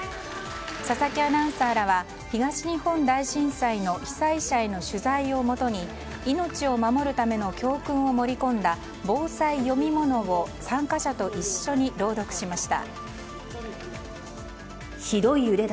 佐々木アナウンサーらは東日本大震災の被災者への取材をもとに命を守るための教訓を盛り込んだぼうさい読み物を参加者と一緒に朗読しました。